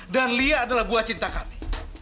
dan lia adalah buah cinta kami